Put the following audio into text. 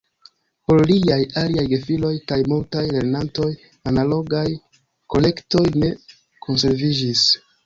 Por liaj aliaj gefiloj kaj multaj lernantoj analogaj kolektoj ne konserviĝis.